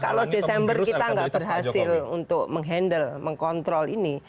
kalau desember kita nggak berhasil untuk menghandle mengkontrol ini